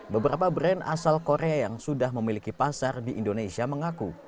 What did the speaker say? beberapa brand asal korea yang sudah memiliki pasar di indonesia mengaku